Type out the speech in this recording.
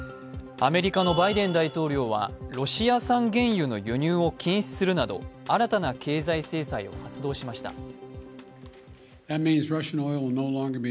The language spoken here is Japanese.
アメリカのバイデン大統領はロシア産原油の輸入を禁止するなど新たな経済制裁を発動しました。